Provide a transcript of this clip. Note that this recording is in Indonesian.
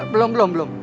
belum belum belum